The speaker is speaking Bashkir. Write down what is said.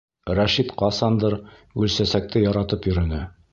Рәшит ҡасандыр Гөлсәсәкте яратып йөрөнө.